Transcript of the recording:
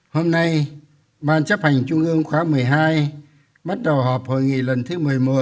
hôm nay ban chấp hành trung ương khóa một mươi hai bắt đầu họp hội nghị lần thứ một mươi một